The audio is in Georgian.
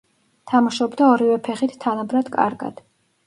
თამაშობდა ორივე ფეხით თანაბრად კარგად.